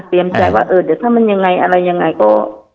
ใจว่าเออเดี๋ยวถ้ามันยังไงอะไรยังไงก็